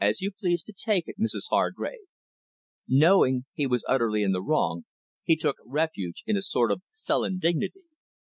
"As you please to take it, Mrs Hargrave." Knowing he was utterly in the wrong, he took refuge in a sort of sullen dignity.